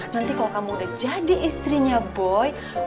nanti kalau kamu udah jadi istrinya boy